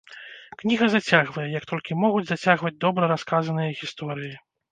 Кніга зацягвае, як толькі могуць зацягваць добра расказаныя гісторыі.